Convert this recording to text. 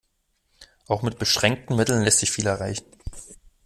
Auch mit beschränkten Mitteln lässt sich viel erreichen.